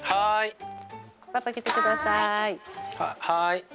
はい。